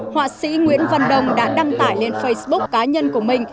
họa sĩ nguyễn văn đông đã đăng tải lên facebook